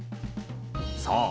そう。